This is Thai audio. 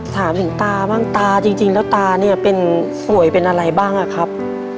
ถามถึงตาบ้างตาจริงแล้วตาเนี่ยเป็นป่วยเป็นอะไรบ้างอะครับ